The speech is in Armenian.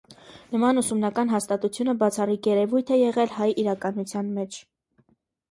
Նման ուսումնական հաստատությունը բացառիկ երևույթ է եղել հայ իրականության մեջ։